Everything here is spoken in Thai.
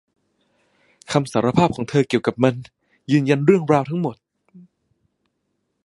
คำสารภาพของเธอเกี่ยวกับมันยืนยันเรื่องราวทั้งหมด